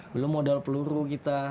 belum modal peluru kita